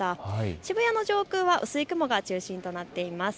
渋谷の上空は薄い雲が中心となっています。